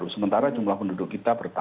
sementara jumlah penduduk kita bertambah